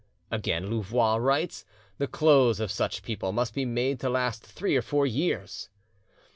Again Louvois writes: "The clothes of such people must be made to last three or four years."